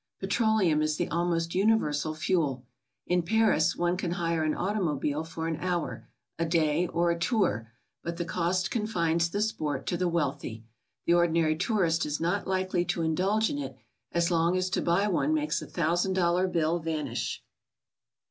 Petroleum is the almost universal fuel. In Paris one can hire an automobile for an hour, a day, or a tour, but the cost confines the sport to the wealthy. The ordinary tourist is not likely to indulge in it as long as to buy one makes a thousand dollar bill vanish.